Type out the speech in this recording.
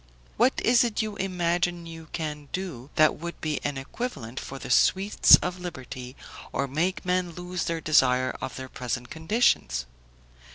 "What is it you imagine you can do, that would be an equivalent for the sweets of liberty, or make men lose the desire of their present conditions?